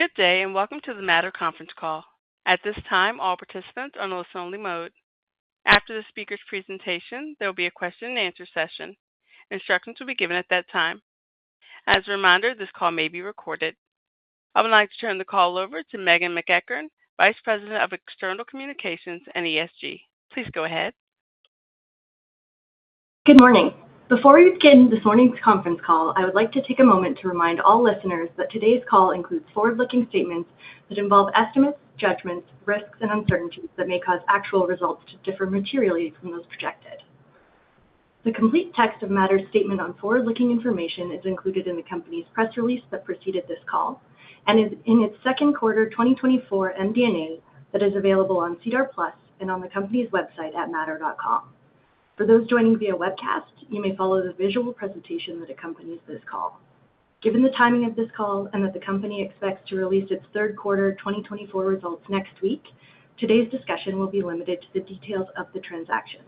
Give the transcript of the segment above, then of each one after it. Good day and welcome to the Mattr conference call. At this time all participants are in listen-only mode. After the speaker's presentation there will be a question and answer session. Instructions will be given at that time. As a reminder, this call may be recorded. I would like to turn the call over to Meghan MacEachern, Vice President of External Communications and ESG. Please go ahead. Good morning. Before we begin this morning's conference call, I would like to take a moment to remind all listeners that today's call includes forward-looking statements that involve estimates, judgments, risks and uncertainties that may cause actual results to differ materially from those projected. The complete text of Mattr's statement on forward looking information is included in the Company's press release that preceded this call and is in its second quarter 2024 MD&A that is available on SEDAR+ and on the company's website at mattr.com. For those joining via webcast, you may follow the visual presentation that accompanies this call. Given the timing of this call and that the Company expects to release its third quarter 2024 results next week, today's discussion will be limited to the details of the transaction.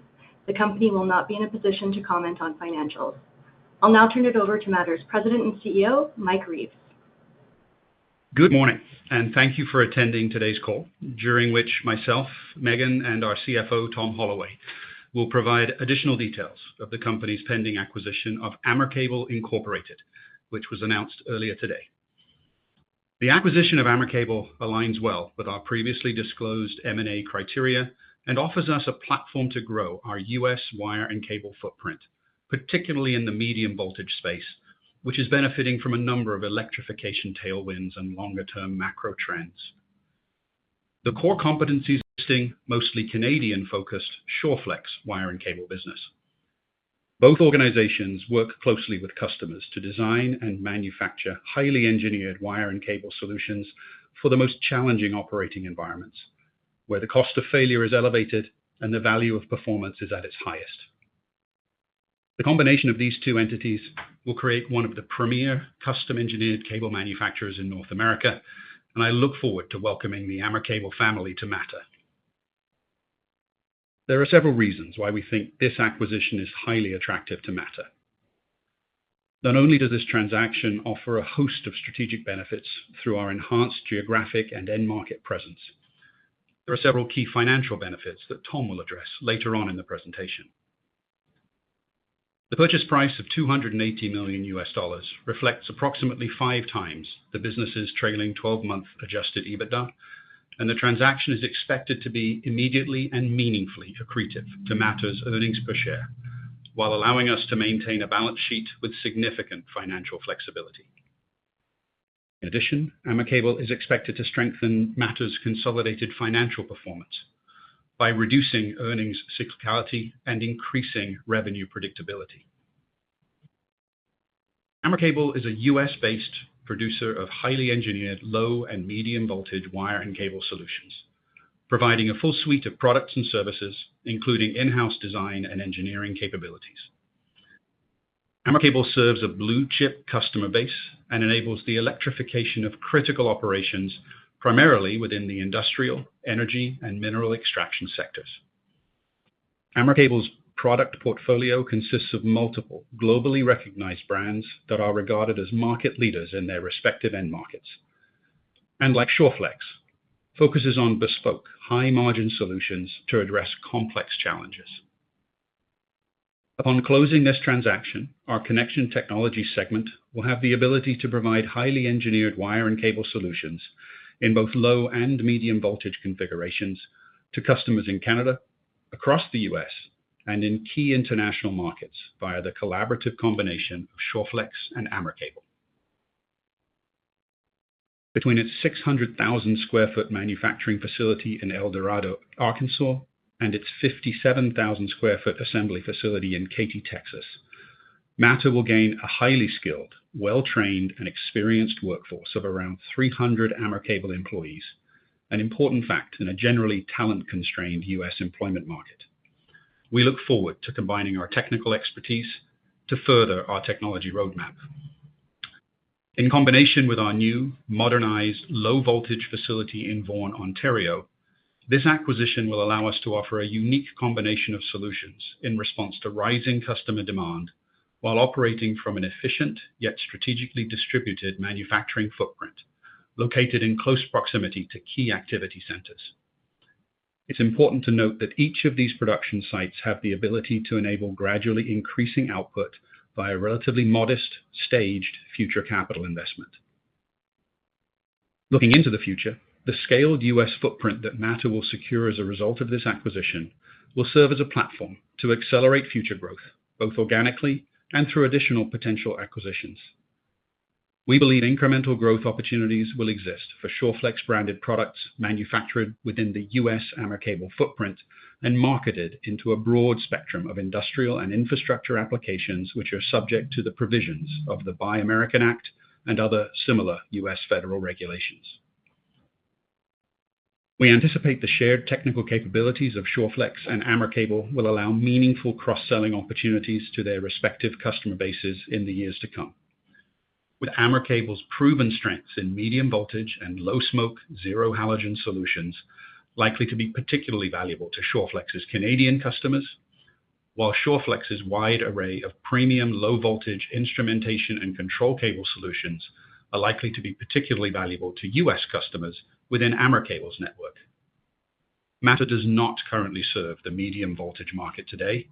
The Company will not be in a position to comment on financials. I'll now turn it over to Mattr's President and CEO Mike Reeves. Good morning, and thank you for attending today's call, during which myself, Meghan, and our CFO Tom Holloway will provide additional details of the Company's pending acquisition of AmerCable Incorporated, which was announced earlier today. The acquisition of AmerCable aligns well with our previously disclosed M&A criteria and offers us a platform to grow our U.S. wire and cable footprint, particularly in the medium voltage space, which is benefiting from a number of electrification tailwinds and longer-term macro trends. The core competencies lie in our mostly Canadian-focused Shawflex wire and cable business. Both organizations work closely with customers to design and manufacture highly engineered wire and cable solutions for the most challenging operating environments where the cost of failure is elevated and the value of performance is at its highest. The combination of these two entities will create one of the premier custom engineered cable manufacturers in North America, and I look forward to welcoming the AmerCable family to Mattr. There are several reasons why we think this acquisition is highly attractive to Mattr. Not only does this transaction offer a host of strategic benefits through our enhanced geographic and end market presence, there are several key financial benefits that Tom will address later on in the presentation. The purchase price of $280 million reflects approximately five times the business's trailing twelve-month Adjusted EBITDA and the transaction is expected to be immediately and meaningfully accretive to Mattr's earnings per share while allowing us to maintain a balance sheet with significant financial flexibility. In addition, AmerCable is expected to strengthen Mattr's consolidated financial performance by reducing earnings cyclicality and increasing revenue predictability. AmerCable is a U.S.-based producer of highly engineered low- and medium-voltage wire and cable solutions. Providing a full suite of products and services including in-house design and engineering capabilities. AmerCable's product portfolio consists of multiple globally recognized brands that are regarded as market leaders in their respective end markets and like Shawflex, focuses on bespoke high-margin solutions to address complex challenges. Upon closing this transaction, our Connection Technologies segment will have the ability to provide highly engineered wire and cable solutions in both low- and medium-voltage configurations to customers in Canada, across the U.S. and in key international markets via the collaborative combination of Shawflex and AmerCable. Between its 600,000 sq ft manufacturing facility in El Dorado, Arkansas and its 57,000 sq ft assembly facility in Katy, Texas, Mattr will gain a highly skilled, well trained and experienced workforce of around 300 AmerCable employees, an important factor in a generally talent constrained U.S. employment market. We look forward to combining our technical expertise to further our technology roadmap in combination with our new modernized low voltage facility in Vaughan, Ontario. This acquisition will allow us to offer a unique combination of solutions in response to rising customer demand while operating from an efficient yet strategically distributed manufacturing footprint located in close proximity to key activity centers. It's important to note that each of these production sites have the ability to enable gradually increasing output by a relatively modest staged future capital investment. Looking into the future, the scaled U.S. footprint that Mattr will secure as a result of this acquisition will serve as a platform to accelerate future growth both organically and through additional potential acquisitions. We believe incremental growth opportunities will exist for Shawflex branded products manufactured within the U.S. AmerCable footprint and marketed into a broad spectrum of industrial and infrastructure applications which are subject to the provisions of the Buy American Act and other similar U.S. federal regulations. We anticipate the shared technical capabilities of Shawflex and AmerCable will allow meaningful cross-selling opportunities to their respective customer bases in the years to come, with AmerCable's proven strengths in medium voltage and low smoke zero halogen solutions likely to be particularly valuable to Shawflex's Canadian customers. Where while Shawflex's wide array of premium low voltage instrumentation and control cable solutions are likely to be particularly valuable to U.S. customers within AmerCable's network. Mattr does not currently serve the medium voltage market today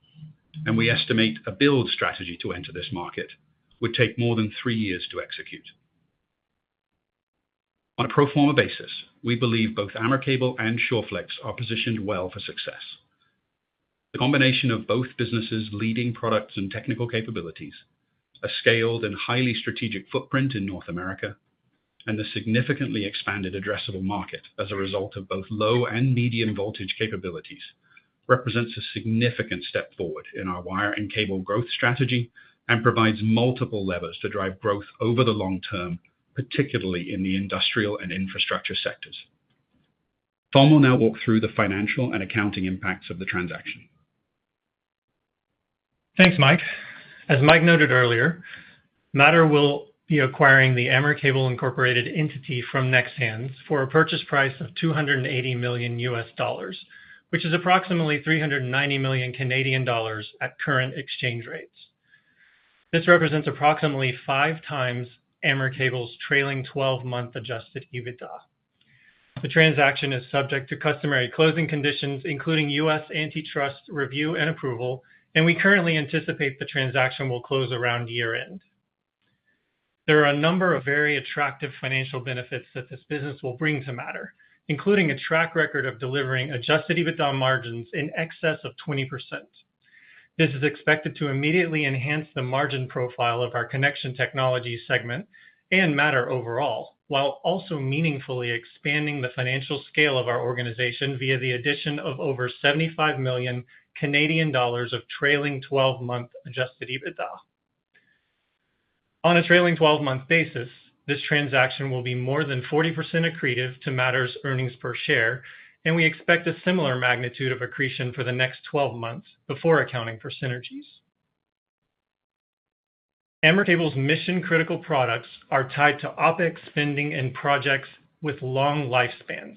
and we estimate a build strategy to enter this market would take more than three years to execute on a pro forma basis. We believe both AmerCable and Shawflex are positioned well for success. The combination of both businesses leading products and technical capabilities, a scaled and highly strategic footprint in North America and the significantly expanded addressable market as a result of both low and medium voltage capabilities represents a significant step forward in our wire and cable growth strategy and provides multiple levers to drive growth over the long-term, particularly in the industrial and infrastructure sectors. Tom will now walk through the financial and accounting impacts of the. Transaction. Thanks Mike. As Mike noted earlier, Mattr will be acquiring the AmerCable Incorporated entity from Nexans for a purchase price of $280 million, which is approximately 390 million Canadian dollars at current exchange rates. This represents approximately five times AmerCable's trailing twelve-month adjusted EBITDA. The transaction is subject to customary closing conditions including U.S. antitrust review and approval, and we currently anticipate the transaction will close around year-end. There are a number of very attractive financial benefits that this business will bring to Mattr, including a track record of delivering adjusted EBITDA margins in excess of 20%. This is expected to immediately enhance the margin profile of our Connection Technologies segment and Mattr overall, while also meaningfully expanding the financial scale of our organization via the addition of over 75 million Canadian dollars of trailing twelve-month adjusted EBITDA. On a trailing twelve month basis, this transaction will be more than 40% accretive to Mattr's earnings per share and we expect a similar magnitude of accretion for the next 12 months. Before accounting for synergies. AmerCable's mission critical products are tied to OPEX spending and projects with long lifespans.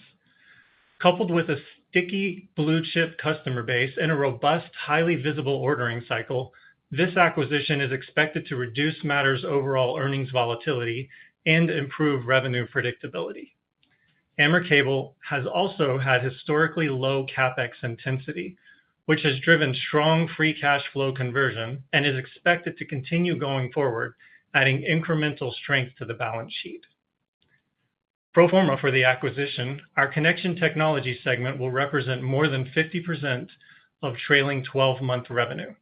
Coupled with a sticky blue chip customer base and a robust, highly visible ordering cycle, this acquisition is expected to reduce Mattr's overall earnings volatility and improve revenue predictability. AmerCable has also had historically low CAPEX intensity which has driven strong free cash flow conversion and is expected to continue going forward, adding incremental strength to the balance sheet. Pro forma for the acquisition, our Connection Technologies segment will represent more than 50% of trailing 12 month revenue.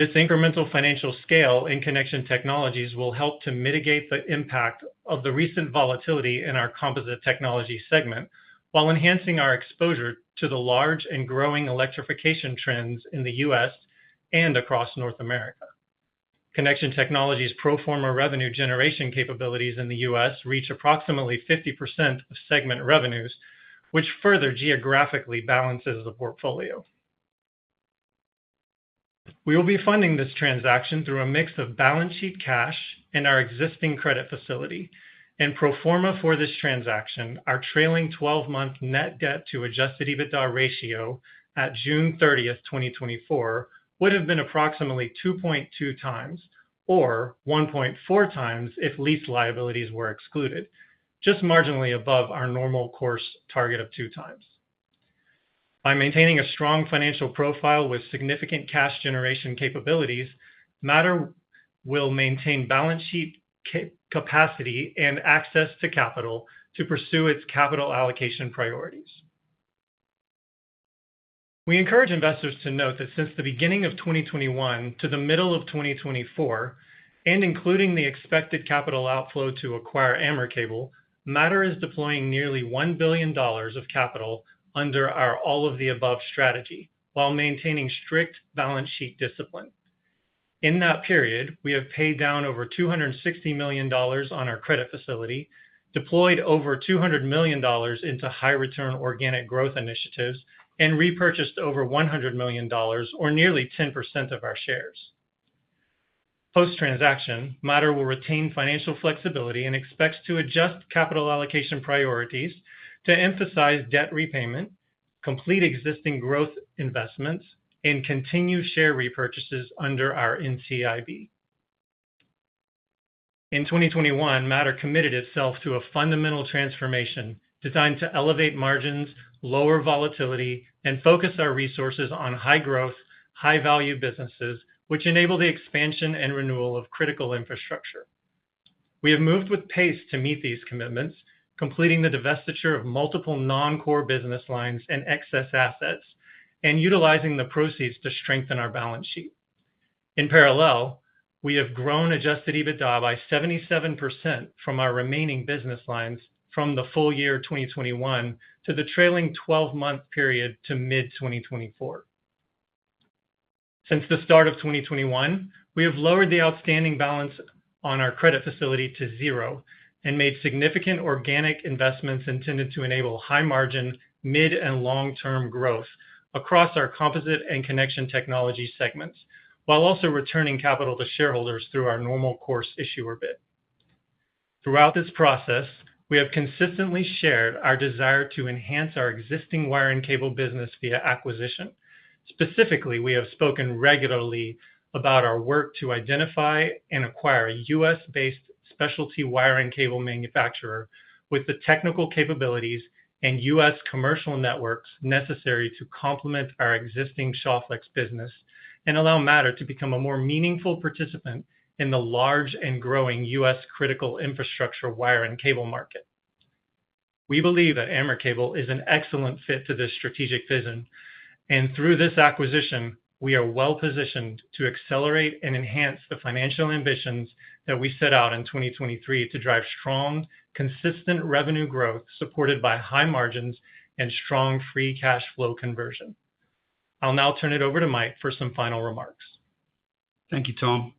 This incremental financial scale in Connection Technologies will help to mitigate the impact of the recent volatility in our Composite Technologies segment. While enhancing our exposure to the large and growing electrification trends in the U.S. and across North America. Connection Technologies' pro forma revenue generation capabilities in the U.S. reach approximately 50% of segment revenues which further geographically balances the portfolio. We will be funding this transaction through a mix of balance sheet cash and our existing credit facility. In pro forma for this transaction, our trailing twelve month net debt to Adjusted EBITDA ratio at June 30, 2024 would have been approximately 2.2 times or 1.4 times if lease liabilities were excluded, just marginally above our normal course target of two times. By maintaining a strong financial profile with significant cash generation capabilities, Mattr will maintain balance sheet capacity and access to capital to pursue its capital allocation priorities. We encourage investors to note that since the beginning of 2021 to the middle of 2024, and including the expected capital outflow to acquire AmerCable, Mattr is deploying nearly $1 billion of capital under our all of the above strategy while maintaining strict balance sheet discipline. In that period, we have paid down over $260 million on our credit facility, deployed over $200 million into high return organic growth initiatives and repurchased over $100 million or nearly 10% of our shares post transaction. Mattr will retain financial flexibility and expects to adjust capital allocation priorities to emphasize debt repayment, complete existing growth investments and continue share repurchases under our NCIB. In 2021, Mattr committed itself to a fundamental transformation designed to elevate margins, lower volatility, and focus our resources on high-growth, high-value businesses which enable the expansion and renewal of critical infrastructure. We have moved with pace to meet these commitments, completing the divestiture of multiple non-core business lines and excess assets and utilizing the proceeds to strengthen our balance sheet. In parallel, we have grown Adjusted EBITDA by 77% from our remaining business lines from the full year 2021 to the trailing 12-month period to mid-2024. Since the start of 2021, we have lowered the outstanding balance on our credit facility to zero and made significant organic investments intended to enable high-margin, mid- and long-term growth across our Composite and Connection Technologies segments while also returning capital to shareholders through our Normal Course Issuer Bid. Throughout this process, we have consistently shared our desire to enhance our existing wire and cable business via acquisition. Specifically, we have spoken regularly about our work to identify and acquire a U.S.-based specialty wire cable manufacturer with the technical capabilities and U.S. commercial networks necessary to complement our existing Shawflex business and allow Mattr to become a more meaningful participant in the large and growing U.S. critical infrastructure wire and cable market. We believe that AmerCable is an excellent fit to this strategic vision and through this acquisition we are well positioned to accelerate and enhance the financial ambitions that we set out in 2023 to drive strong consistent revenue growth supported by high margins and strong free cash flow conversion. I'll now turn it over to Mike for some final remarks. Thank you, Tom.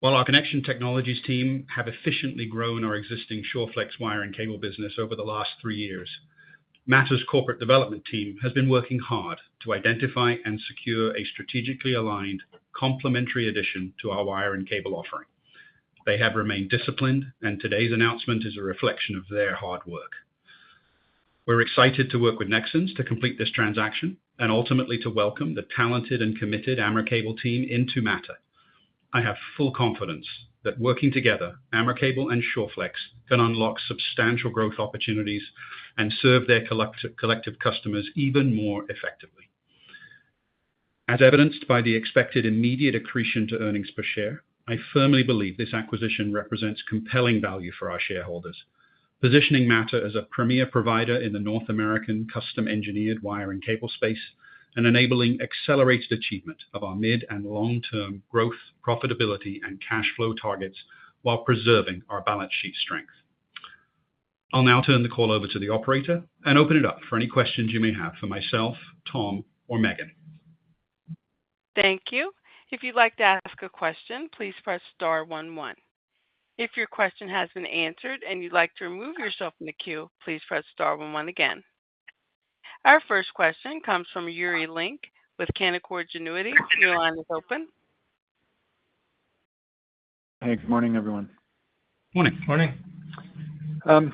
While our Connection Technologies team have efficiently grown our existing Shawflex wire cable business over the last three years, Mattr's corporate development team has been working hard to identify and secure a strategically aligned complementary addition to our wire and cable offering. They have remained disciplined and today's announcement is a reflection of their hard work. We're excited to work with Nexans to complete this transaction and ultimately to welcome the talented and committed AmerCable team into Mattr. I have full confidence that working together AmerCable and Shawflex unlock substantial growth opportunities and serve their collective customers even more effectively as evidenced by the expected immediate accretion to earnings per share. I firmly believe this acquisition represents compelling value for our shareholders, positioning Mattr as a premier provider in the North American custom engineered wire and cable space and enabling accelerated achievement of our mid and long-term growth, profitability and cash flow targets while preserving our balance sheet strength. I'll now turn the call over to the operator and open it up for any questions you may have for myself, Tom or Meghan. Thank you. If you'd like to ask a question, please press star 11. If your question has been answered and you'd like to remove yourself from the queue, please press star 11. Again, our first question comes from Yuri Lynk with Canaccord Genuity. Your line is open. Hey, good morning everyone. Morning. Morning,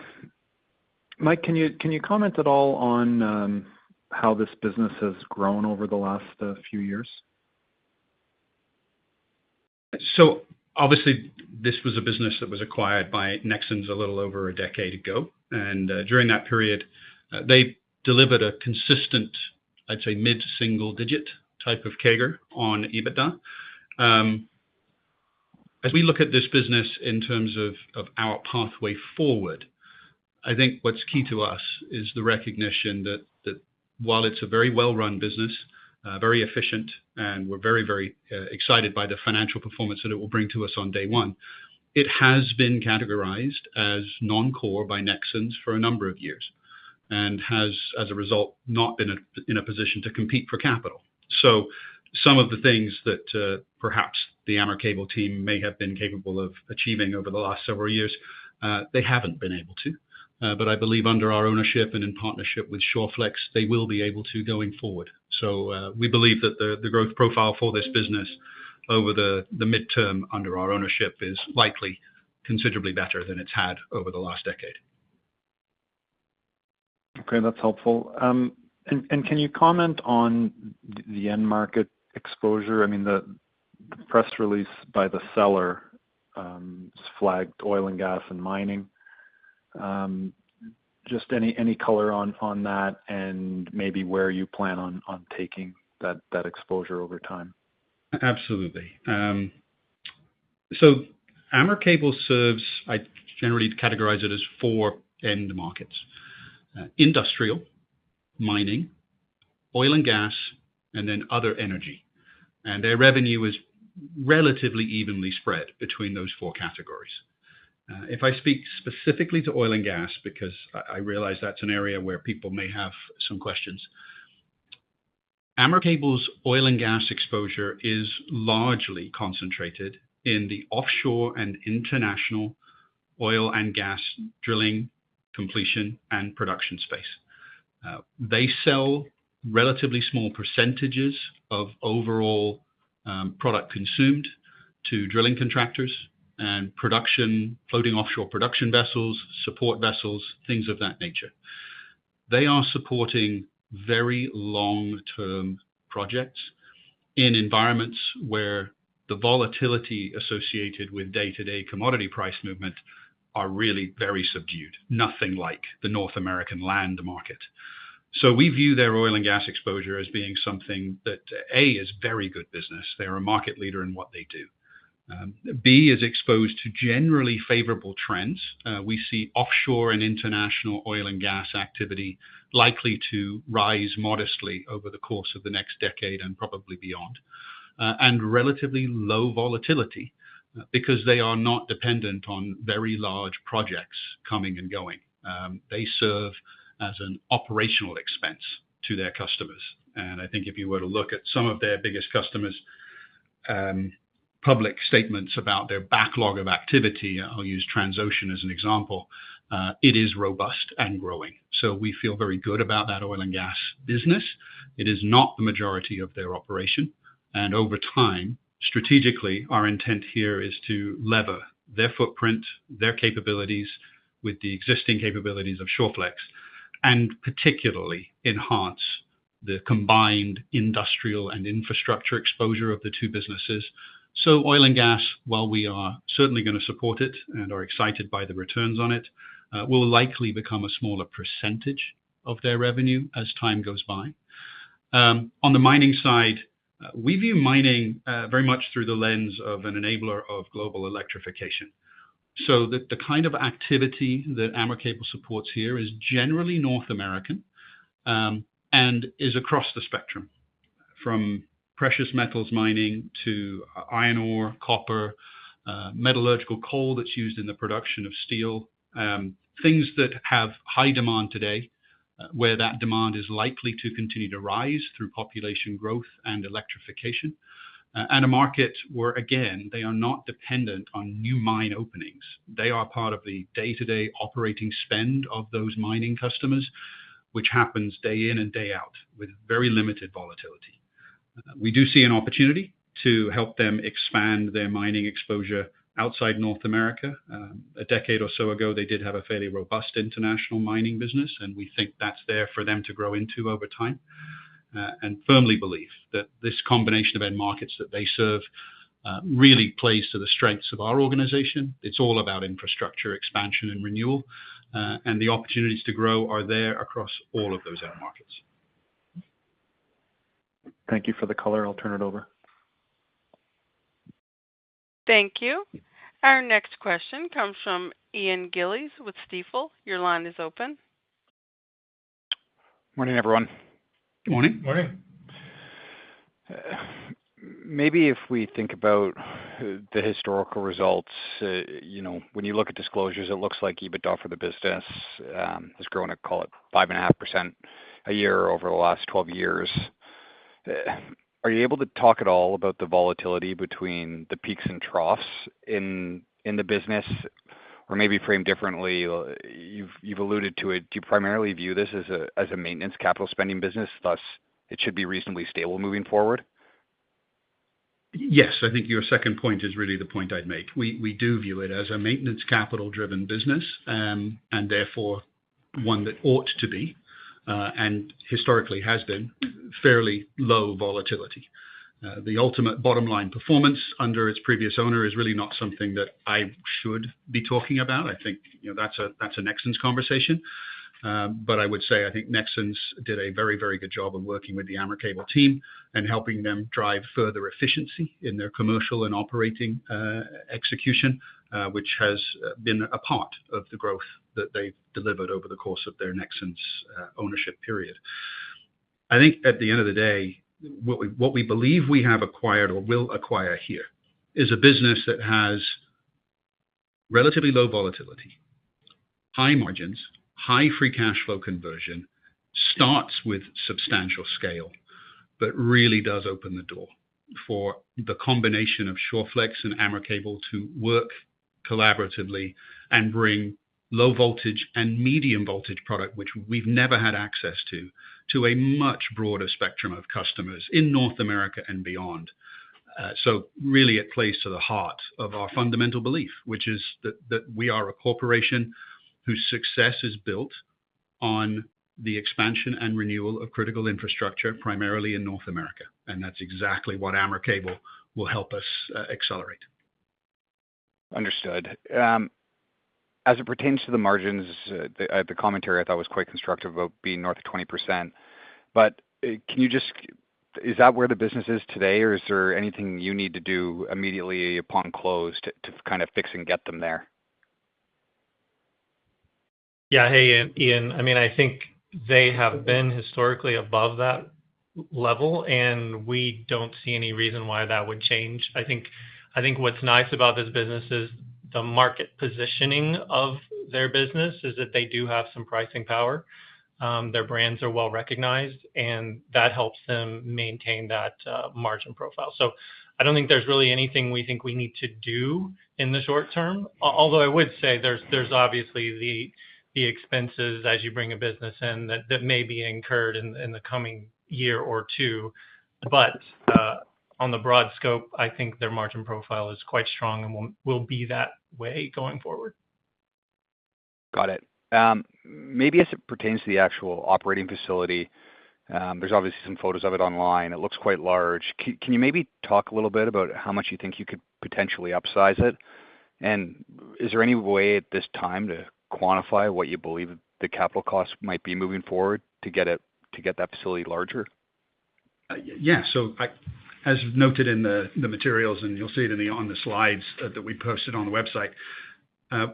Mike, can you comment at all on how this business has grown over the last few years? So obviously this was a business that was acquired by Nexans a little over a decade ago, and during that period they delivered a consistent, I'd say mid single digit type of CAGR on EBITDA. As we look at this business in terms of our pathway forward, I think what's key to us is the recognition that while it's a very well run business, very efficient, and we're very, very excited by the financial performance that it will bring to us on day one. It has been categorized as non-core by Nexans for a number of years and has, as a result, not been in a position to compete for capital. So some of the things that perhaps the AmerCable team may have been capable of achieving over the last several years they haven't been able to. But I believe under our ownership and in partnership with Shawflex they will be able to going forward. So we believe that the growth profile for this business over the midterm under our ownership is likely considerably better than it's had over the last decade. Okay, that's helpful. And can you comment on the end market exposure? I mean the press release by the seller flagged oil and gas and mining. Just any color on that and maybe where you plan on taking that exposure over time? Absolutely. So AmerCable serves. I generally categorize it as four end markets. Industrial mining, oil and gas, and then other energy. And their revenue is relatively evenly spread between those four categories. If I speak specifically to oil and gas, because I realize that's an area where people may have some questions. AmerCable's oil and gas exposure is largely concentrated in the offshore and international oil and gas drilling completion and production space. They sell relatively small percentages of overall product consumed to drilling contractors and production floating offshore production vessels, support vessels, things of that nature. They are supporting very long-term projects in environments where the volatility associated with day to day commodity price movement are really very subdued. Nothing like the North American land market. So we view their oil and gas exposure as being something that A is a very good business, they are a market leader in what they do, B is exposed to generally favorable trends. We see offshore and international oil and gas activity levels likely to rise modestly over the course of the next decade and probably beyond, and relatively low volatility because they are not dependent on very large projects coming and going. They serve as an operational expense to their customers. And I think if you were to look at some of their biggest customers' public statements about their backlog of activity. I'll use Transocean as an example. It is robust and growing. So we feel very good about that oil and gas business. It is not the majority of their operation and over time, strategically, our intent here is to leverage their footprint, their capabilities with the existing capabilities of Shawflex and particularly enhance the combined industrial and infrastructure exposure of the two businesses. So oil and gas, while we are certainly going to support it and are excited by the returns on it, will likely become a smaller percentage of their revenue as time goes by. On the mining side, we view mining very much through the lens of an enabler of global electrification. So that the kind of activity that AmerCable supports here is generally North American and is across the spectrum from precious metals mining to iron ore, copper, metallurgical coal that's used in the production of steel. Things that have high demand today, where that demand is likely to continue to rise through population growth and electrification and a market where again they are not dependent on new mine openings. They are part of the day to day operating spend of those mining customers which happens day in and day out with very limited volatility. We do see an opportunity to help them expand their mining exposure outside North America. A decade or so ago they did have a fairly robust international mining business and we think that's there for them to grow into over time and firmly believe that this combination of end markets that they serve really plays to the strengths of our organization. It's all about infrastructure expansion and renewal and the opportunities to grow are there across all of those end markets. Thank you for the color. I'll turn it over. Thank you. Our next question comes from Ian Gillies with Stifel. Your line is open. Morning everyone. Good Morning. Maybe if we think about the historical results, you know, when you look at disclosures, it looks like EBITDA for the business has grown at, call it 5.5% a year over the last 12 years. Are you able to talk at all about the volatility between the peaks and troughs in the business? Or maybe framed differently you've alluded to it. Do you primarily view this as a maintenance capital spending business, thus it should be reasonably stable moving forward? Yes. I think your second point is really the point I'd make. We do view it as a maintenance capital driven business and therefore one that ought to be and historically has been fairly low volatility. The ultimate bottom line performance under its previous owner is really not something that I should be talking about. I think that's a Nexans's conversation, but I would say I think Nexans did a very, very good job of working with the AmerCable team and helping them drive further efficiency in their commercial and operating execution, which has been a part of the growth that they've delivered over the course of their Nexans's ownership period. I think at the end of the day, what we believe we have acquired or will acquire here is a business that has relatively low volatility, high margins, high free cash flow conversion, starts with substantial scale, but really does open the door for the combination of Shawflex and AmerCable to work collaboratively and bring low voltage and medium voltage product, which we've never had access to, to a much broader spectrum of customers in North America and beyond. So really it plays to the heart of our fundamental belief, which is that we are a corporation whose success is built on the expansion and renewal of critical infrastructure, primarily in North America. And that's exactly what AmerCable will help us accelerate. Understood. As it pertains to the margins, the commentary I thought was quite constructive about being north of 20%. But can you Just? Is that where the business is today or is there anything you need to do immediately upon close to kind of fix and get them there? Yeah. Hey, Ian. I mean, I think they have been historically above that level and we don't see any reason why that would change. I think what's nice about this business is the market positioning of their business is that they do have some pricing power, their brands are well recognized and that helps them maintain that margin profile. So I don't think there's really anything we think we need to do in the short term, although I would say there's obviously the expenses as you bring a business in that may be incurred in the coming months, year or two. But on the broad scope, I think their margin profile is quite strong and will be that way going forward. Got. Maybe as it pertains to the actual operating facility, there's obviously some photos of it online. It looks quite large. Can you maybe talk a little bit about how much you think you could potentially upsize it and is there any way at this time to quantify what you believe the capital costs might be moving forward to get that facility larger? Yeah. So as noted in the materials and you'll see it in the on the slides that we posted on the website,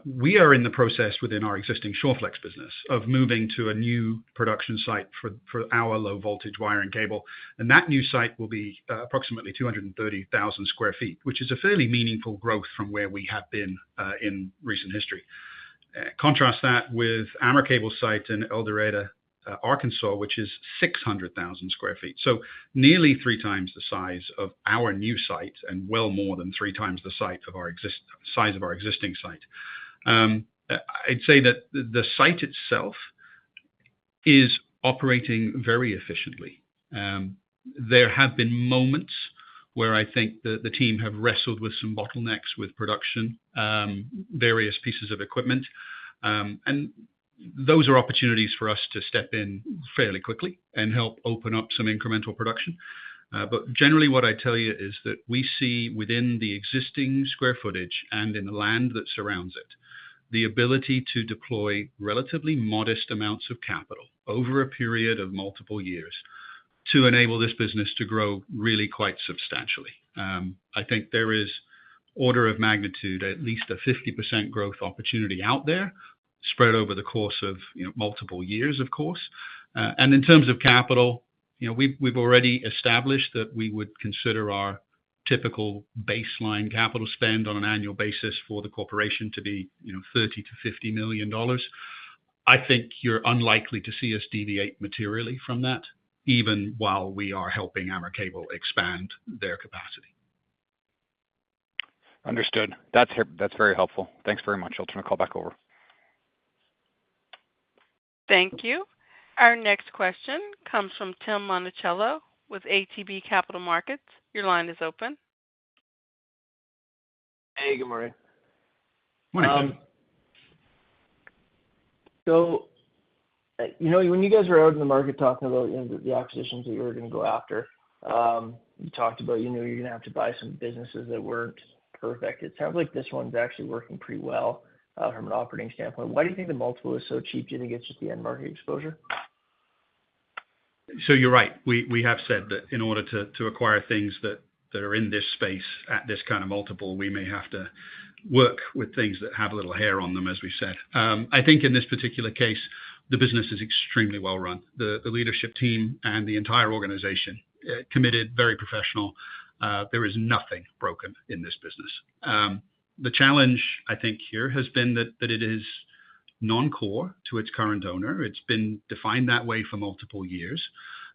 we are in the process within our existing Shawflex business of moving to a new production site for our low voltage wire and cable. And that new site will be approximately 230,000 sq ft, which is a fairly meaningful growth from where we have been in recent history. Contrast that with AmerCable site in El Dorado, Arkansas, which is 600,000 sq ft. So nearly three times the size of our new site and well more than three times the size of our existing site. I'd say that the site itself is operating very efficiently. There have been moments where I think the team have wrestled with some bottlenecks with production, various pieces of equipment, and those are opportunities for us to step in fairly quickly and help open up some incremental production. But generally what I tell you is that we see within the existing square footage and in the land that surrounds it, the ability to deploy relatively modest amounts of capital over a period of multiple years to enable this business to grow really quite substantially. I think there is order of magnitude at least a 50% growth opportunity out there spread over the course of multiple years. Of course. And in terms of capital, we've already established that we would consider our typical baseline capital spend on an annual basis for the corporation to be 30 million-50 million dollars. I think you're unlikely to see us deviate materially from that even while we are helping AmerCable expand their capacity. Understood. That's very helpful. Thanks very much. I'll turn the call back over. Thank you. Our next question comes from Tim Monachello with ATB Capital Markets. Your line is open. Hey, good morning. So you know, when you guys were out in the market talking about the acquisitions that you were going to go after, you talked about, you know you're going to have to buy some businesses that weren't perfect. It sounds like this one's actually working pretty well from an operating standpoint. Why do you think the multiple is so cheap? Do you think it's just the end market exposure? So you're right. We have said that in order to acquire things that are in this space at this kind of multiple, we may have to work with things that have a little hair on them. As we said, I think in this particular case the business is extremely well run. The leadership team and the entire organization committed, very professional. There is nothing broken in this business. The challenge I think here has been that it is non-core to its current owner. It's been defined that way for multiple years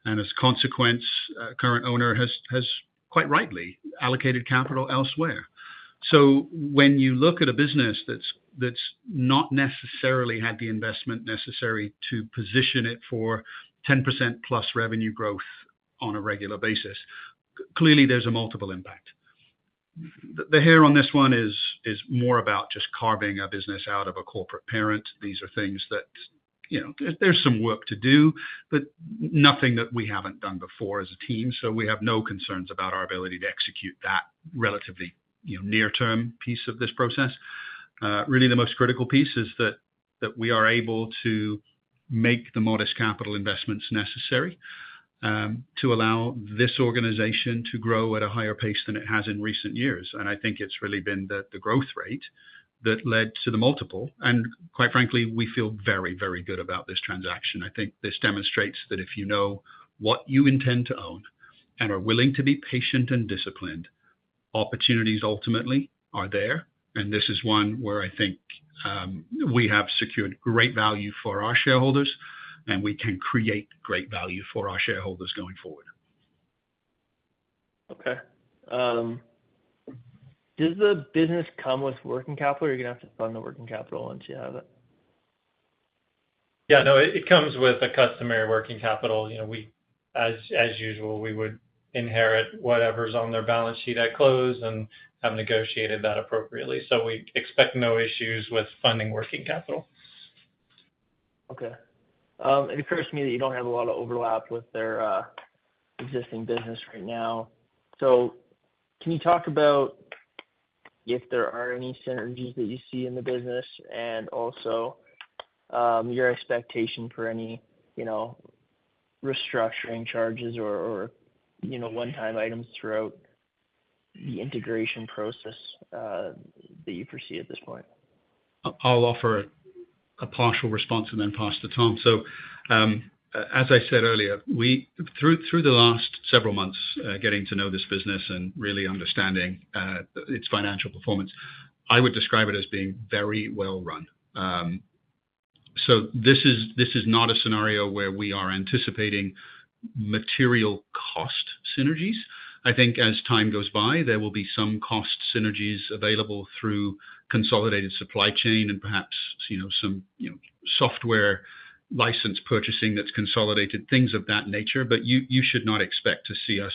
and as a consequence, current owner has quite rightly allocated capital elsewhere. So when you look at a business that's not necessarily had the investment necessary to position it for 10%+ revenue growth on a regular basis, clearly there's a multiple impact. The hurdle on this one is more about just carving a business out of a corporate parent. These are things that there's some work to do, but nothing that we haven't done before as a team. So we have no concerns about our ability to execute that relatively near term piece of this process. Really the most critical piece is that we are able to make the modest capital investments necessary to allow this organization to grow at a higher pace than it has in recent years. And I think it's really been the growth rate that led to the multiple. And quite frankly, we feel very, very good about this transaction. I think this demonstrates that if you know what you intend to own and are willing to be patient and disciplined, opportunities ultimately are there. This is one where I think we have secured great value for our shareholders and we can create great value for our shareholders going forward. Okay. Does the business come with working capital? You're going to have to fund the working capital once you have it? Yeah, no, it comes with a customary working capital as usual. We would inherit whatever's on their balance sheet at close and have negotiated that appropriately. So we expect no issues with funding working capital. Okay. It occurs to me that you don't have a lot of overlap with their existing business right now. So can you talk about if there are any synergies that you see in the business and also your expectation for any, you know, restructuring charges or you know, one-time items throughout the integration process that you foresee at this point? I'll offer a partial response and then pass to Tom. So as I said earlier, we through the last several months getting to know this business and really understanding its financial performance, I would describe it as being very well run. So this is not a scenario where we are anticipating material cost synergies. I think as time goes by, there will be some cost synergies available through consolidated supply chain and perhaps some software license purchasing that's consolidated, things of that nature. But you should not expect to see us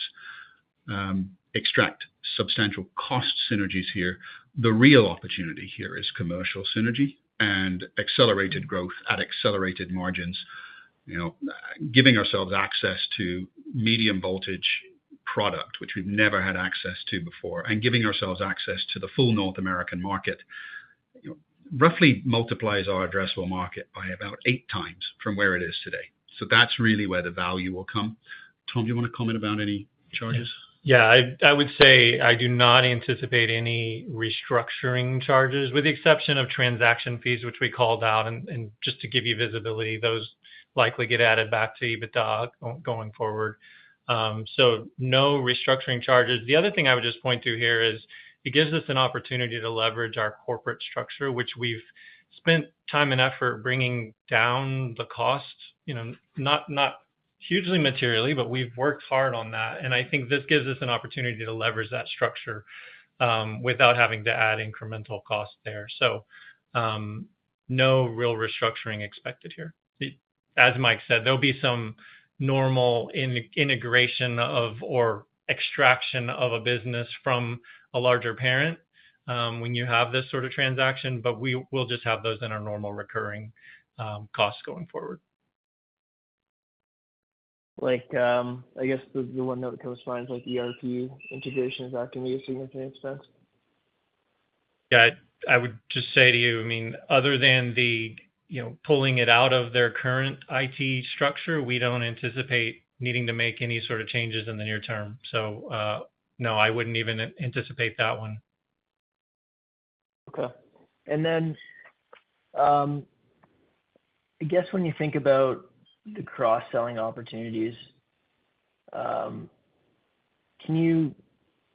extract substantial cost synergies here. The real opportunity here is commercial synergy and accelerated growth at accelerated margins. Giving ourselves access to medium voltage product, which we've never had access to before, and giving ourselves access to the full North American market, roughly multiplies our addressable market by about eight times from where it is today. So that's really where the value will come. Tom, do you want to comment about any charges? Yeah, I would say I do not anticipate any restructuring charges with the exception of transaction fees which we called out. And just to give you visibility, those likely get added back to EBITDA going forward. So no restructuring charges. The other thing I would just point to here is it gives us an opportunity to leverage our corporate structure which we've spent time and effort bringing down the cost. Not hugely materially, but we've worked hard on that. And I think this gives us an opportunity to leverage that structure without having to add incremental cost there. So no real restructuring expected here. As Mike said, there'll be some normal integration of or extraction of a business from a larger parent when you have this sort of transaction. But we will just have those in our normal recurring costs going forward. Like, I guess the one that comes to mind is like ERP integration. That can be a significant expense? Yeah, I would just say to you, I mean, other than the, you know, pulling it out of their current IT structure. We don't anticipate needing to make any sort of changes in the near term. So no, I wouldn't even anticipate that one. Okay. And then I guess when you think about the cross selling opportunities, can you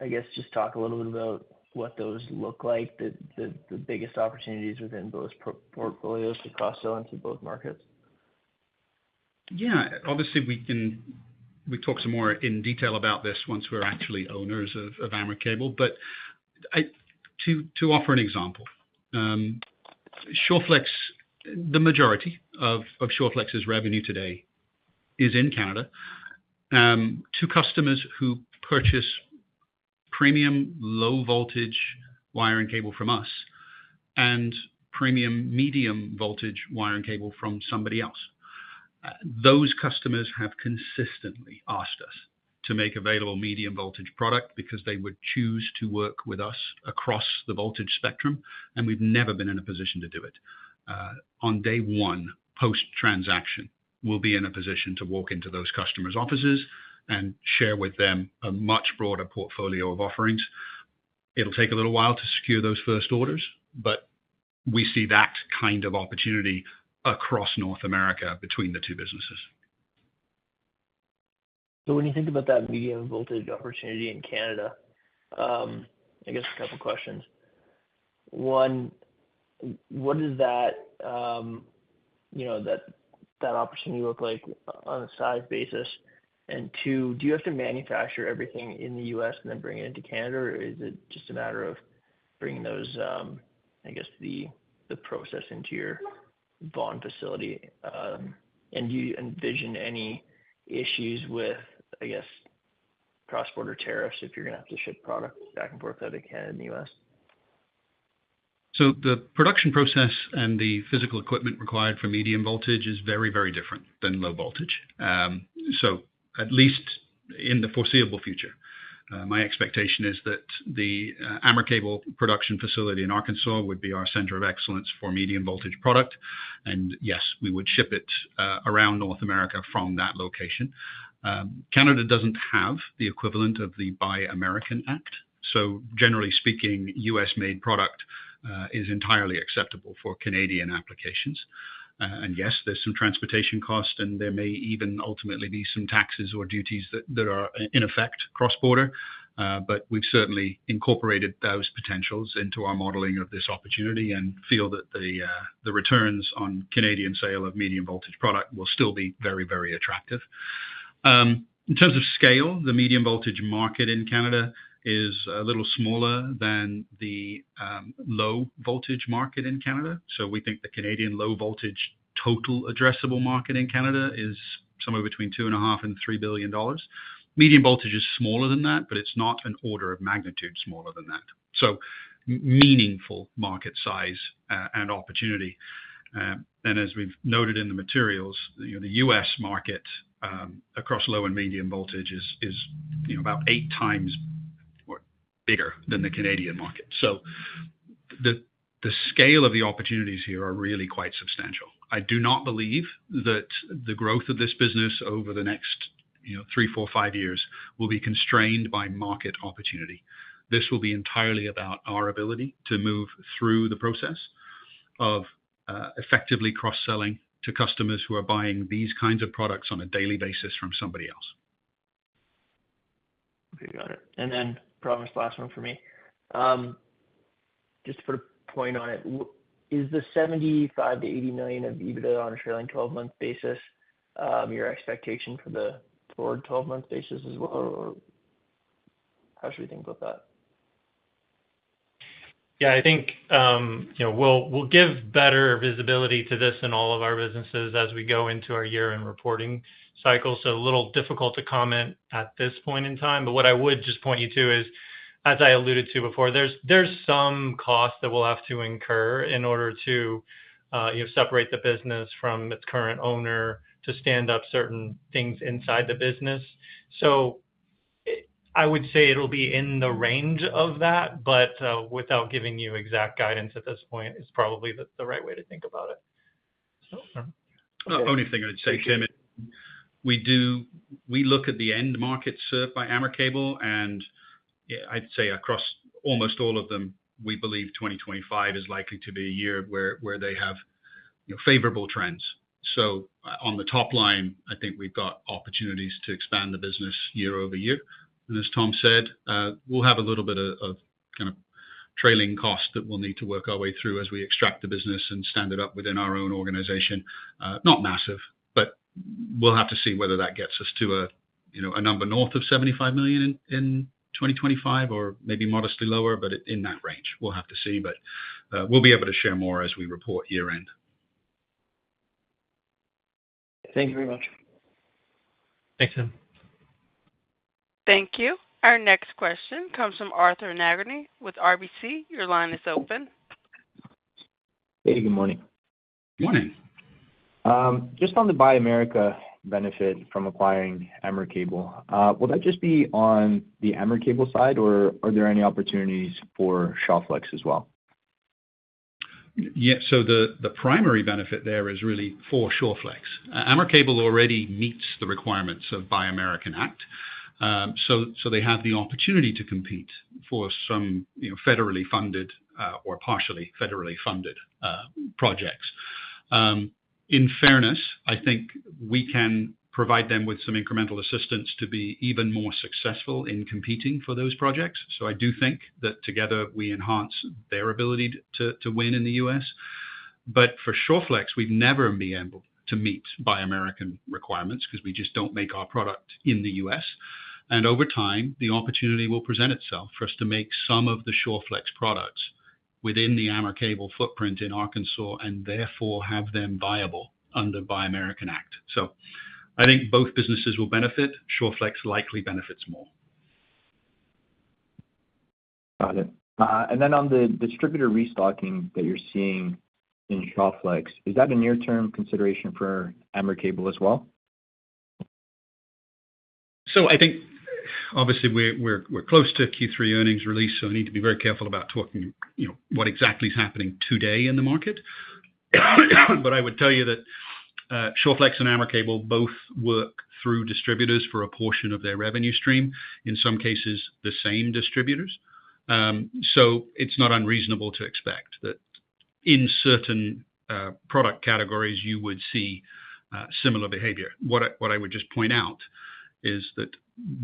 I guess just talk a little bit about what those look like, the biggest opportunities within those portfolios to cross sell into both markets? Yeah, obviously we can talk some more in detail about this once we're actually owners of AmerCable. But to offer an example, Shawflex. The majority of Shawflex's revenue today is in Canada to customers who purchase premium low voltage wire and cable from us and premium medium voltage wire and cable from somebody else. Those customers have consistently asked us to make available medium voltage product because they would choose to work with us across the voltage spectrum and we've never been in a position to do it. On day one post transaction we'll be in a position to walk into those customers' offices and share with them a much broader portfolio of offerings. It'll take a little while to secure those first orders, but we see that kind of opportunity across North America between the two businesses. So when you think about that medium voltage opportunity in Canada, I guess a couple questions. One, what does that, you know, that opportunity look like on a size basis? And two, do you have to manufacture everything in the U.S. and then bring it into Canada or is it just a matter of bringing those, I guess the process into your Vaughan facility? And do you envision any issues with I guess cross border tariffs if you're going to have to ship product back and forth out of Canada in the. U.S., So the production process and the physical equipment required for medium voltage is very, very different than low voltage. So at least in the foreseeable future, my expectation is that the AmerCable production facility in Arkansas would be our center of excellence for medium voltage product and yes, we would ship it around North America from that location. Canada doesn't have the equivalent of the Buy American Act. So generally speaking U.S. made product is entirely acceptable for Canadian applications. And yes, there's some transportation cost and there may even ultimately be some taxes or duties that are in effect cross border. But we've certainly incorporated those potentials into our modeling of this opportunity and feel that the returns on Canadian sale of medium voltage product will still be very, very attractive. In terms of scale, the medium voltage market in Canada is a little smaller than the low voltage market in Canada. So we think the Canadian low voltage total addressable market in Canada is somewhere between 2.5 billion and 3 billion dollars. Medium voltage is smaller than that, but it's not an order of magnitude smaller than that. So meaningful market size and opportunity, and as we've noted in the materials, the U.S. market across low and medium voltage is about eight times bigger than the Canadian market. So the scale of the opportunities here are really quite substantial. I do not believe that the growth of this business over the next three, four, five years will be constrained by market opportunity. This will be entirely about our ability to move through the process of effectively cross selling to customers who are buying these kinds of products on a daily basis from somebody else. Okay, got it. And then, promise. Last one for me, just to put a point on it, is the $75-$80 million of EBITDA on a trailing 12-month basis. Your expectation for the forward 12-month basis as well, or how should we think about that? Yeah, I think we'll give better visibility to this in all of our businesses as we go into our year-end reporting cycle. So a little difficult to comment at this point in time, but what I would just point you to is as I alluded to before, there's some cost that we'll have to incur in order to separate the business from its current owner to stand up certain things inside the business. So I would say it will be in the range of that, but without giving you exact guidance at this point, is probably the right way to think about it. The only thing I'd say, Tim, is we look at the end market served by AmerCable and I'd say across almost all of them we believe 2025 is likely to be a year where they have favorable trends. So on the top line I think we've got opportunities to expand the business year-over-year and as Tom said, we'll have a little bit of kind of trailing cost that we'll need to work our way through as we extract the business and stand it up within our own organization. Not massive, but we'll have to see whether that gets us to a number north of 75 million in 2025 or maybe modestly lower. But in that range we'll have to see. But we'll be able to share more as we report year-end. Thank you very. Much. Thanks. Thank you. Our next question comes from Arthur Nagorny with RBC. Your line is open. Hey, good morning. Good Morning. Just on the Buy America benefit from acquiring AmerCable, will that just be on the AmerCable side or are there any opportunities for Shawflex as well? Yes. So the primary benefit there is really for Shawflex. AmerCable already meets the requirements of Buy American Act, so they have the opportunity to compete for some federally funded or partially federally funded projects. In fairness, I think we can provide them with some incremental assistance to be even more successful in competing for those projects. So I do think that together we enhance their ability to win in the U.S., but for Shawflex, we've never been able to meet Buy American requirements because we just don't make our product in the U.S. and over time the opportunity will present itself for us to make some of the Shawflex products within the AmerCable footprint in Arkansas and therefore have them viable under Buy American Act. So I think both businesses will benefit. Shawflex likely benefits more. Got it. And then on the distributor restocking that you're seeing in Shawflex, is that a near-term consideration for AmerCable as well? So I think obviously we're close to Q3 earnings release, so I need to be very careful about talking, you know, what exactly is happening today in the market. But I would tell you that Shawflex and AmerCable both work through distributors for a portion of their revenue stream, in some cases the same distributors. So it's not unreasonable to expect that in certain product categories you would see similar behavior. What I would just point out is that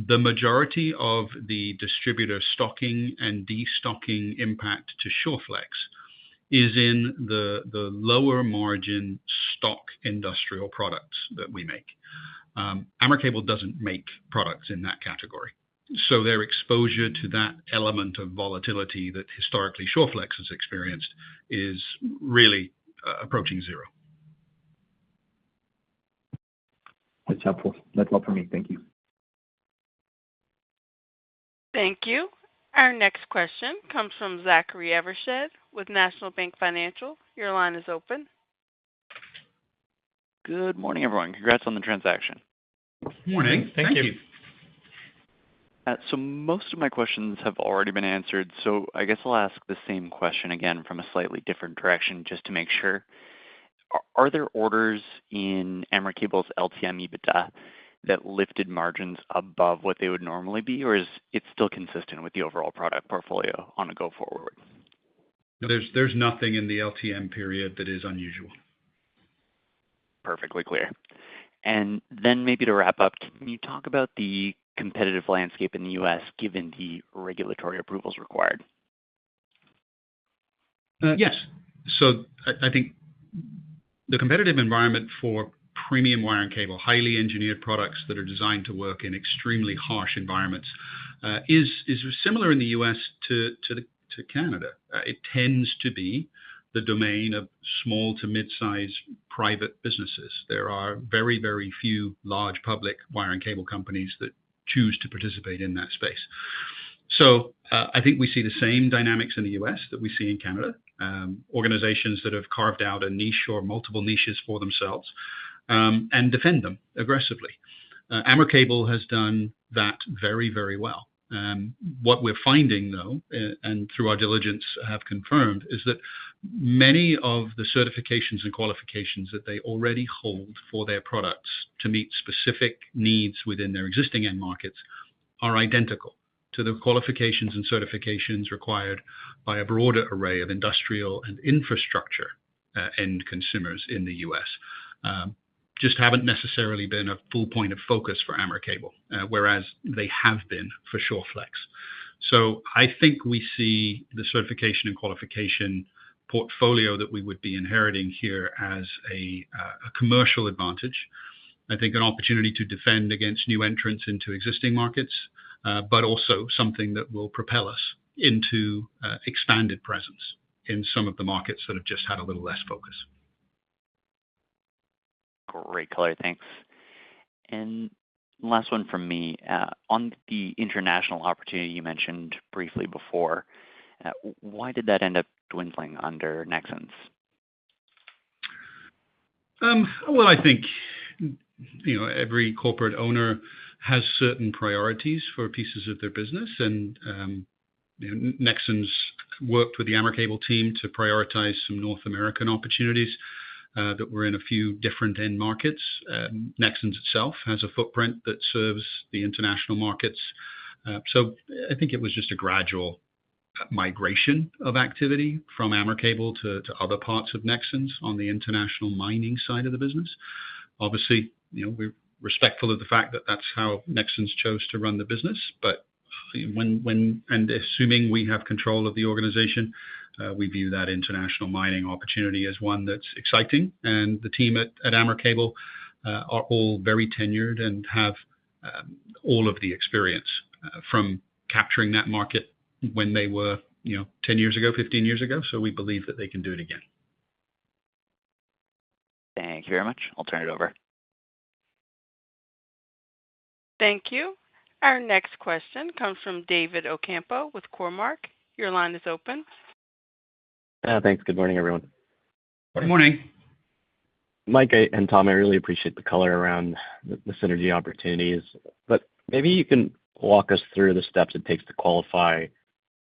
the majority of the distributor stocking and destocking impact to Shawflex is in the lower margin stock industrial products that we make. AmerCable doesn't make products in that category. So their exposure to that element of volatility that historically Shawflex has experienced is really approaching zero. That's helpful. That's a lot for me. Thank. You. Thank you. Our next question comes from Zachary Evershed with National Bank Financial. Your line is Open. Good morning, everyone. Congrats on the transaction. Morning. Thank you. So most of my questions have already been answered, so I guess I'll ask the same question again from a slightly different direction just to make sure. Are there orders in AmerCable's LTM EBITDA that lifted margins above what they would normally be or is it still consistent with the overall product portfolio on a go forward? There's nothing in the LTM period that is unusual. Perfectly clear. And then maybe to wrap up, can you talk about the competitive landscape in the U.S. given the regulatory approvals required? Yes. So I think the competitive environment for premium wire and cable highly engineered products that are designed to work in extremely harsh environments is similar in the U.S. to Canada. It tends to be the domain of small to midsize private businesses. There are very, very few large public wire and cable companies that choose to participate in that space. So I think we see the same dynamics in the U.S. that we see in Canada. Organizations that have carved out a niche or multiple niches for themselves and defend them aggressively. AmerCable has done that very, very well. What we're finding, though, and through our diligence have confirmed, is that many of the certifications and qualifications they already hold for their products to meet specific needs within their existing end markets are identical to the qualifications and certifications required by a broader array of industrial and infrastructure end consumers in the U.S. Just haven't necessarily been a full point of focus for AmerCable, whereas they have been for Shawflex. So I think we see the certification and qualification portfolio that we would be inheriting here as a commercial advantage, I think an opportunity to defend against new entrants into existing markets, but also something that will propel us into expanded presence in some of the markets that have just had a little less focus. Great color. Thanks. And last one from me on the international opportunity you mentioned briefly before. Why did that end up dwindling under Nexans'? Well, I think every corporate owner has certain priorities for pieces of their business, and Nexans has worked with the AmerCable team to prioritize some North American opportunities that were in a few different end markets. Nexans itself has a footprint that serves the international markets. So I think it was just a gradual migration of activity from AmerCable to other parts of Nexans. On the international mining side of the business, obviously, you know, we're respectful of the fact that that's how Nexans has chosen to run the business. But when, when and assuming we have control of the organization, we view that international mining opportunity as one that's exciting. And the team at AmerCable are all very tenured and have all of the experience from capturing that market when they were, you know, 10 years ago, 15 years ago. So we believe that they can do it. Again. Thank you very much. I'll turn it over. Thank you. Our next question comes from David Ocampo with Cormark. Your line is open. Thanks. Good morning, everyone. Morning, Mike and Tom. I really appreciate the color around the synergy opportunities, but maybe you can walk us through the steps it takes to qualify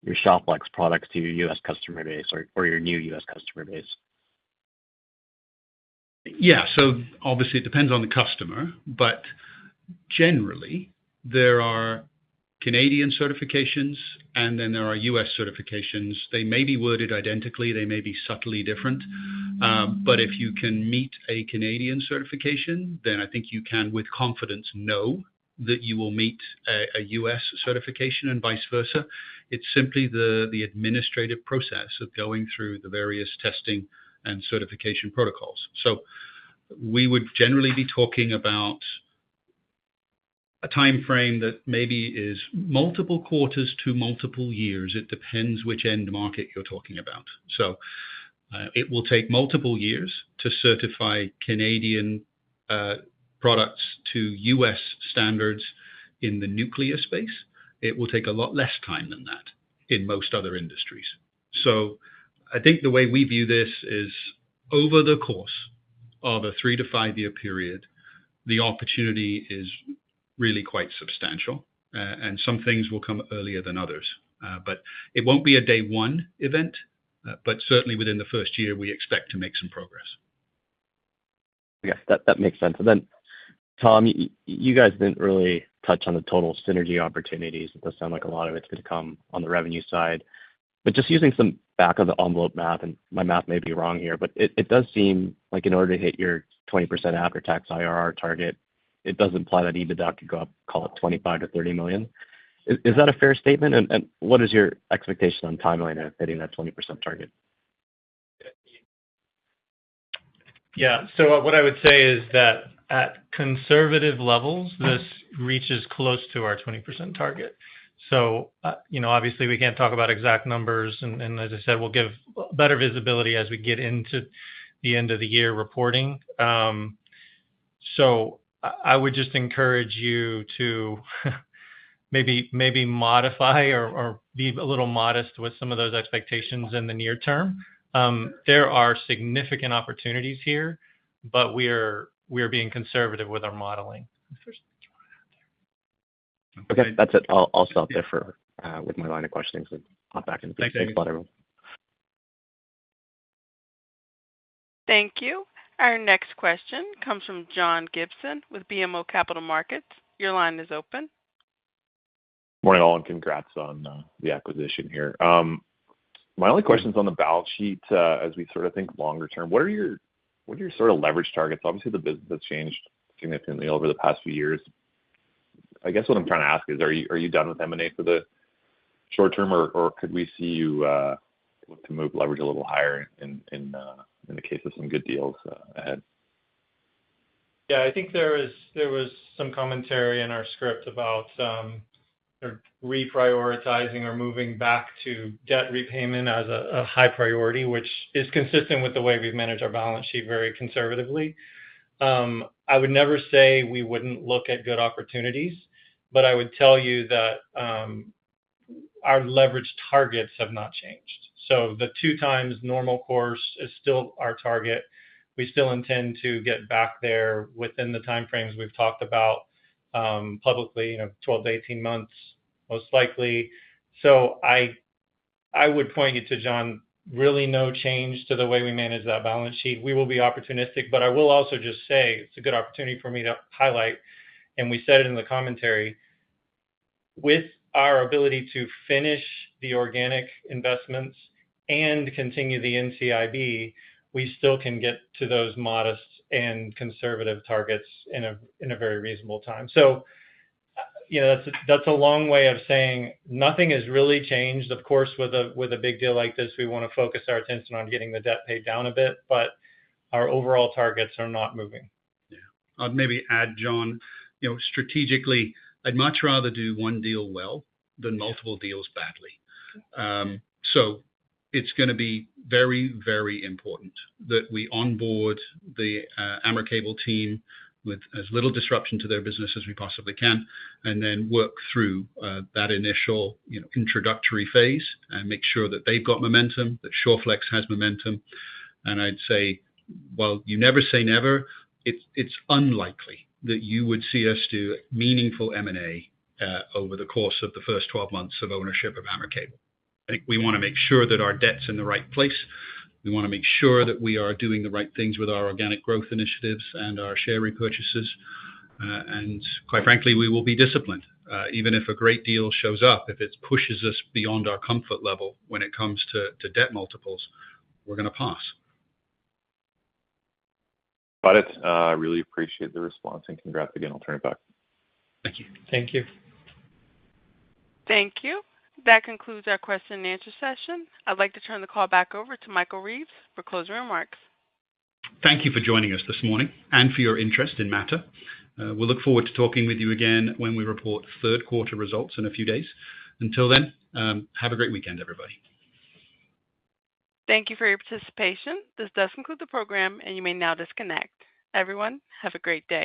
your Shawflex products to your U.S. customer base or your new U.S. customer base? Yeah, so obviously it depends on the customer, but generally there are Canadian certifications and then there are U.S. certifications. They may be worded identically, they may be subtly different, but if you can meet a Canadian certification, then I think you can with confidence know that you will meet a U.S. certification and vice versa. It's simply the administrative process of going through the various testing and certification protocols. So we would generally be talking about a time frame that maybe is multiple quarters to multiple years. It depends which end market you're talking about. So it will take multiple years to certify Canadian products to U.S. standards. In the nuclear space, it will take a lot less time than that in most other industries. So I think the way we view this is over the course of a three-to-five-year period, the opportunity is really quite substantial and some things will come earlier than others, but it won't be a day one event. But certainly within the first year we expect to make some progress. Yes, that makes sense. And then, Tom, you guys didn't really touch on the total synergy opportunities. It does sound like a lot of it's going to come on the revenue side. But just using some back of the envelope math, and my math may be wrong here, but it does seem like in order to hit your 20% after tax IRR target, it does imply that EBITDA could go up, call it 25-30 million. Is that a fair statement? And what is your expectation on timeline of hitting that 20% target? Yeah, so what I would say is that at conservative levels, this reaches close to our 20% target. So, you know, obviously we can't talk about exact numbers and as I said, we'll give better visibility as we get into the end of the year reporting. So I would just encourage you to maybe modify or be a little modest with some of those expectations in the near term. There are significant opportunities here, but we are being conservative with our modeling. Okay, that's it. I'll stop there with my line of questions and hop back in the room. Thank you. Our next question comes from John Gibson with BMO Capital Markets. Your line is open. Good morning all, and congrats on the acquisition here. My only question is, on the balance sheet, as we sort of think longer term, what are your sort of leverage targets? Obviously, the business has changed significantly over the past few years. I guess what I'm trying to ask is, are you done with M&A for the short term or could we see you move leverage a little higher in the case of some good deals? Yeah, I think there was some commentary in our script about reprioritizing or moving back to debt repayment as a high priority, which is consistent with the way we've managed our balance sheet very conservatively. I would never say we wouldn't look at good opportunities, but I would tell you that our leverage targets have not changed. So the two times normal course is still our target. We still intend to get back there within the timeframes we've talked about publicly. You know, 12-18 months most likely. So I would point you to John, really no change to the way we manage that balance sheet. We will be opportunistic. But I will also just say it's a good opportunity for me to highlight, and we said it in the commentary, with our ability to finish the organic investments and continue the NCIB, we still can get to those modest and conservative targets in a very reasonable time. So that's a long way of saying nothing has really changed. Of course, with a big deal like this, we want to focus our attention on getting the debt paid down a bit, but our overall targets are not moving. I'd maybe add, John, strategically, I'd much rather do one deal well than multiple deals badly. So it's going to be very, very important that we onboard the AmerCable team with as little disruption to their business as we possibly can and then work through that initial introductory phase and make sure that they've got momentum, that Shawflex has momentum. I'd say, well, you never say never. It's unlikely that you would see us do meaningful M&A over the course of the first 12 months of ownership of AmerCable. I think we want to make sure that our debt's in the right place. We want to make sure that we are doing the right things with our organic growth initiatives and our share repurchases. Quite frankly, we will be disciplined. Even if a great deal shows up, if it pushes us beyond our comfort level when it comes to debt multiples, we're going to pause. Got it. I really appreciate the response and congrats again. I'll turn it back. Thank you. Thank you. Thank you. That concludes our question and answer session. I'd like to turn the call back over to Michael Reeves for closing remarks. Thank you for joining us this morning and for your interest in Mattr. We look forward to talking with you again when we report third quarter results in a few days. Until then, have a great weekend everybody. Thank you for your participation. This does conclude the program and you may now disconnect, everyone. Have a great day.